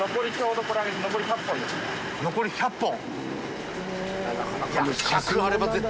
残り１００本。